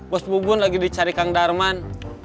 bos bubun lagi dicari kang darman